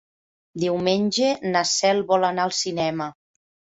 Diumenge na Cel vol anar al cinema.